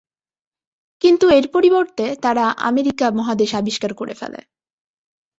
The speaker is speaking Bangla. কিন্তু এর পরিবর্তে তারা আমেরিকা মহাদেশ আবিষ্কার করে ফেলে।